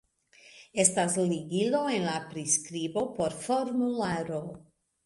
Estas ligilo en la priskribo por formularo